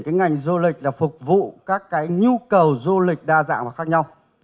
cái ngành du lịch là phục vụ các cái nhu cầu du lịch đa dạng và khác nhau